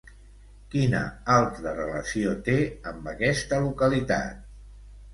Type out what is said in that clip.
Quina altra relació té amb aquesta localitat?